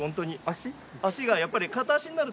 足がやっぱり。